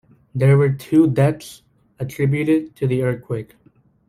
There were two deaths attributed to the earthquake.